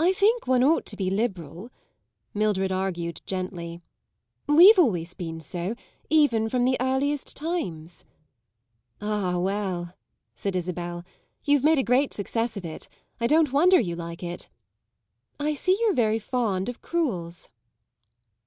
"I think one ought to be liberal," Mildred argued gently. "We've always been so, even from the earliest times." "Ah well," said Isabel, "you've made a great success of it; I don't wonder you like it. I see you're very fond of crewels."